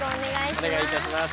お願いいたします。